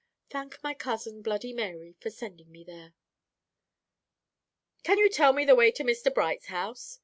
"'Thank my cousin, Bloody Mary, for sending me th ere.'" "Can you tell me the way to Mr. Bright's house?"